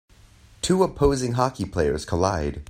Two opposing hockey players collide.